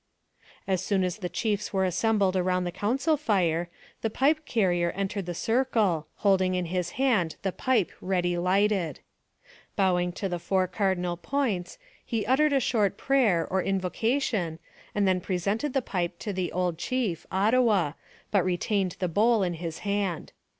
As soon as the chiefs were assembled around the council fire, the pipe carrier entered the circle, holding in his hand the pipe ready lighted. Bowing to the four cardinal points, he uttered a short prayer, or in vocation, and then presented the pipe to the old chief, Ottawa, but retained the bowl in his hand.